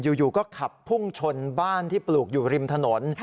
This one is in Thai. อยู่ก็ขับพุ่งชนบ้านที่ปลูกอยู่ริมถนน